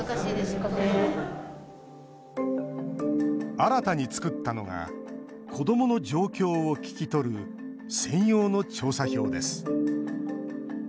新たに作ったのが子どもの状況を聞き取る専用の調査票です。